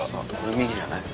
右じゃない？